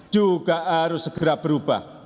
juga harus segera berubah